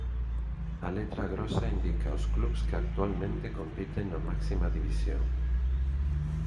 A letra grosa indica os clubs que actualmente compiten na máxima división.